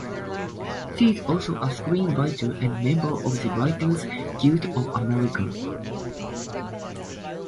She is also a screenwriter and member of the Writers Guild of America.